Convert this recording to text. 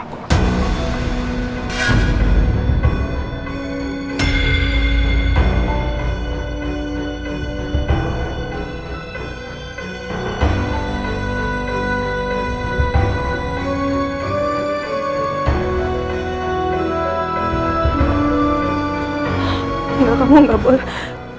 enggak kamu gak boleh